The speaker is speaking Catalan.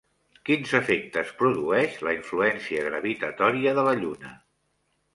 Quins efectes produeix la influència gravitatòria de la Lluna?